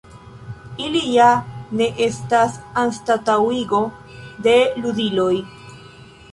Ili ja ne estas anstataŭigo de ludiloj.